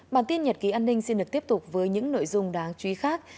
bản tin nhật ký an ninh xin được tiếp tục với những nội dung đáng chú ý khác